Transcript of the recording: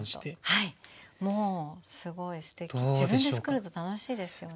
自分でつくると楽しいですよね。